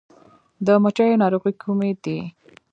د مچیو ناروغۍ کومې دي؟